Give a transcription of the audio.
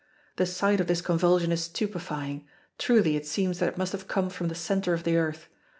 The sight of this convulsion is stupefying; truly it seems that it must have come from the center of the earth.